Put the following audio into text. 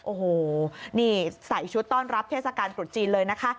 โอ้โหนี่ใส่ชุดต้อนรับเทศกาลตรุษจีนเลยนะคะ